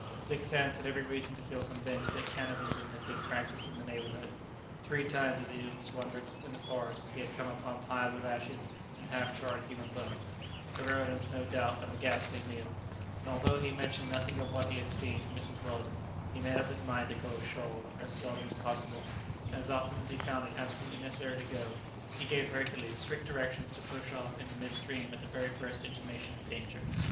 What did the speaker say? Dick Sands had every reason to feel convinced that cannibalism had been practised in the neighbourhood, Three times, as he was wandering in the forest, he had come upon piles of ashes and half charred human bones, the remnants, no doubt, of a ghastly meal, and although he mentioned nothing of what he had seen to Mrs. Weldon, he made up his mind to go ashore as seldom as possible, and as often as he found it absolutely necessary to go, he gave Hercules strict directions to push off into mid stream at the very first intimation of danger.